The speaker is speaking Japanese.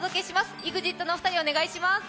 ＥＸＩＴのお二人、お願いします。